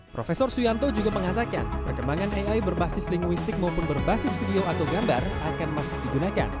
profesor suyanto juga mengatakan perkembangan ai berbasis linguistik maupun berbasis video atau gambar akan masih digunakan